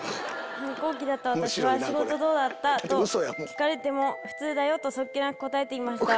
反抗期だった私は仕事どうだった？と聞かれても普通だよと素っ気なく答えていました。